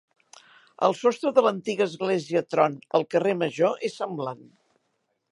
El sostre de l'antiga església Tron al Carrer Major és semblant.